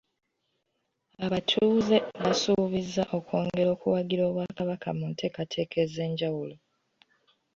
Abatuuze baasuubiza okwongera okuwagira Obwakabaka mu nteekateeka ez'enjawulo.